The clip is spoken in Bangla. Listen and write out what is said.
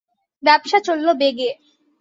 ব্যাবসা চলল বেগে।